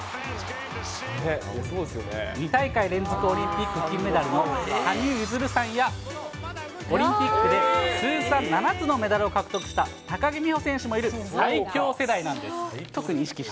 ２大会連続オリンピック金メダルの羽生結弦さんや、オリンピックで通算７つのメダルを獲得した、高木美帆選手もいる最強世代なんです。